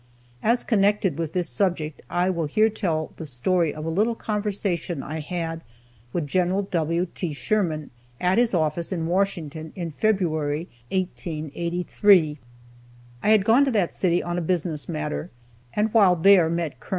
As connected with this subject, I will here tell the story of a little conversation I had with Gen. W. T. Sherman, at his office in Washington in February, 1883. I had gone to that city on a business matter, and while there met Col.